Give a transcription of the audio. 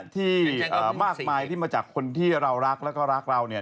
ที่มากมายที่มาจากคนที่เรารักแล้วก็รักเราเนี่ย